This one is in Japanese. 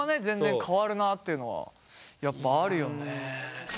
全然変わるなっていうのはやっぱあるよね。